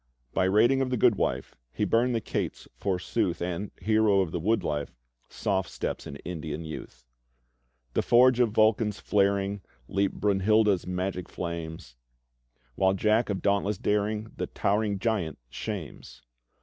By rating of the goodwife — He burned the cates forsooth And, hero of the wood life. Soft steps an Indian youth: \ The forge of Vulcan's flaring. Leap Brunhilde's magic flames. While Jack, of dauntless daring. The towering giant shames.